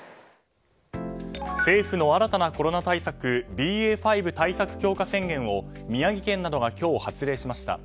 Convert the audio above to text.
政府の新たなコロナ対策ＢＡ．５対策強化宣言を宮城県などが今日発令しました。